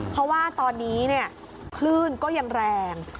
เพราะว่าตอนนี้คลื่นก็ยังแรง